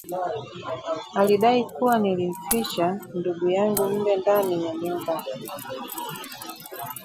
Alidai kuwa nilimficha ndugu yangu mle ndani ya nyumba